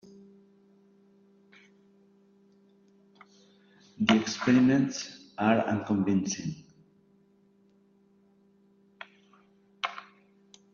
The experiments are unconvincing.